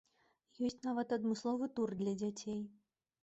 Ёсць нават адмысловы тур для дзяцей.